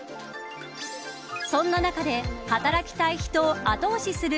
そんな中で働きたい人を後押しする